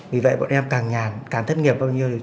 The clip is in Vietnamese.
vì vậy bọn em càng ngàn càng thất nghiệp bao nhiêu